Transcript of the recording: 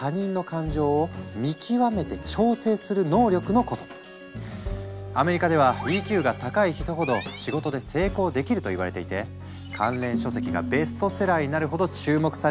このＥＱ簡単に言うとアメリカではＥＱが高い人ほど仕事で成功できるといわれていて関連書籍がベストセラーになるほど注目されていたんだ。